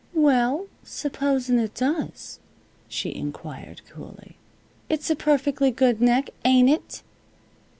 "Well, supposin' it does?" she inquired, coolly. "It's a perfectly good neck, ain't it?"